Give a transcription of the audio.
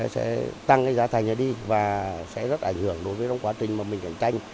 sẽ tăng cái giá thành đi và sẽ rất ảnh hưởng đối với trong quá trình mà mình cạnh tranh